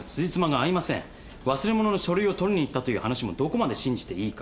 「忘れ物の書類を取りに行った」という話もどこまで信じていいか。